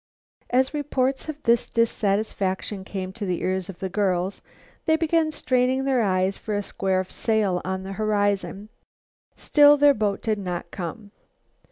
As reports of this dissatisfaction came to the ears of the girls, they began straining their eyes for a square sail on the horizon. Still their boat did not come.